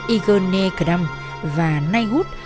igor nekram và nayhut